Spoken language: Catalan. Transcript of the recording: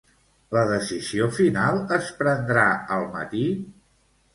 La decisió final es prendrà al matí?